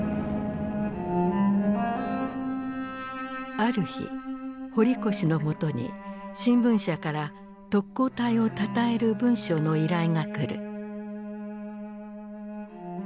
ある日堀越の元に新聞社から特攻隊をたたえる文章の依頼が来る。